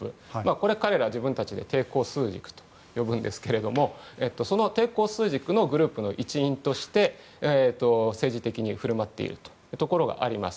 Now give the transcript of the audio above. これは彼らが自分たちで抵抗枢軸と呼ぶんですがその抵抗枢軸のグループの一員として政治的に振る舞っているというところがあります。